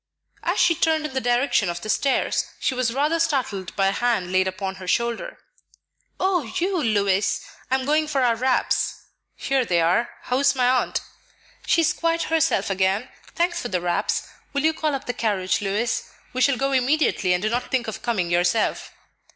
As she turned in the direction of the stairs, she was rather startled by a hand laid upon her shoulder. "Oh, you, Louis! I am going for our wraps." "Here they are. How is my aunt?" "She is quite herself again. Thanks for the wraps. Will you call up the carriage, Louis? We shall go immediately, but do not think of coming yourself."